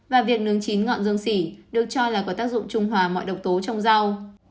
và việc nướng chín ngọn dương sỉ được cho là có tác dụng trung hòa mọi độc tố trong rau